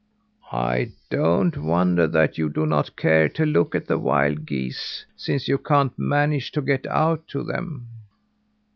"I don't wonder that you do not care to look at the wild geese, since you can't manage to get out to them."